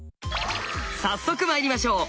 早速まいりましょう！